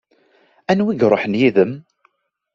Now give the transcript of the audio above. Anwa i iṛuḥen yid-m?